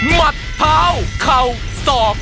มัดเท้าเข่าศอก